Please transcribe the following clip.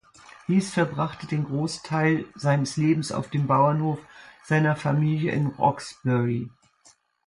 Heath verbrachte den Großteils seines Lebens auf dem Bauernhof seiner Familie in Roxbury.